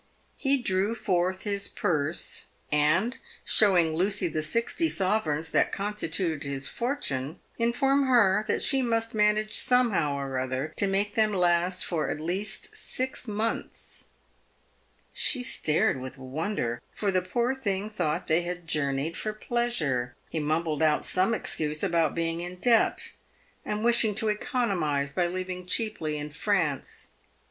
He drew forth his purse, and, show ing Lucy the sixty sovereigns that, constituted his fortune, informed her she must manage somehow or other to make them last for at least six months. She stared with wonder, for the poor thing thought they had journeyed for pleasure. He mumbled out some excuse about being in debt, and wishing to economise by living cheaply in France.